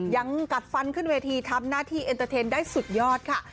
ยังกัดฟันขึ้นเวทีทำหน้าที่เอ็นเตอร์เทนได้สุดยอดค่ะ